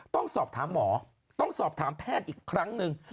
ต้องสอบถามหมอต้องสอบถามแพทย์อีกครั้งหนึ่ง